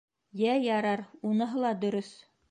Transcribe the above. — Йә, ярар, уныһы ла дөрөҫ.